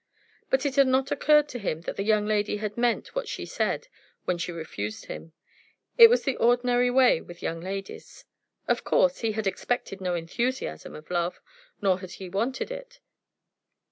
But it had not occurred to him that the young lady had meant what she said when she refused him. It was the ordinary way with young ladies. Of course he had expected no enthusiasm of love; nor had he wanted it.